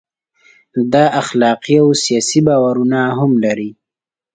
دا اخلاقي او سیاسي باورونه هم لري.